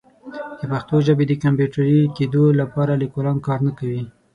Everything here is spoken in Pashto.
د پښتو ژبې د کمپیوټري کیدو لپاره لیکوالان کار نه کوي.